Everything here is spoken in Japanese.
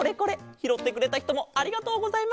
ひろってくれたひともありがとうございます。